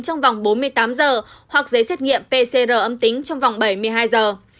trong vòng bốn mươi tám giờ hoặc giấy xét nghiệm pcr âm tính trong vòng bảy mươi hai giờ